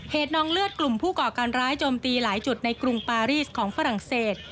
นองเลือดกลุ่มผู้ก่อการร้ายโจมตีหลายจุดในกรุงปารีสของฝรั่งเศส